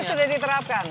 itu sudah diterapkan